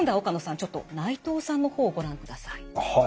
ちょっと内藤さんの方をご覧ください。